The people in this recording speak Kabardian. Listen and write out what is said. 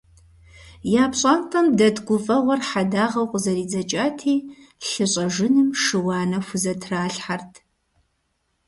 Я пщӏантӏэм дэт гуфӏэгъуэр хьэдагъэу къызэридзэкӏати, лъы щӏэжыным шы-уанэ хузэтралъхьэрт.